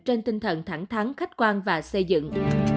trên tinh thần thẳng thắng khách quan và xây dựng